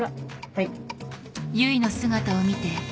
はい。